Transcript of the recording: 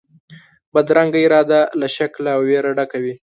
بدرنګه اراده له شک او وېري ډکه وي